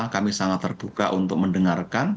kami sangat terbuka untuk mendengarkan